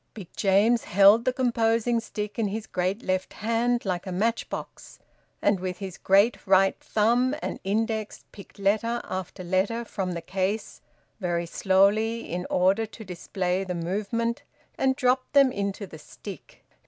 Big James held the composing stick in his great left hand, like a match box, and with his great right thumb and index picked letter after letter from the case, very slowly in order to display the movement, and dropped them into the stick.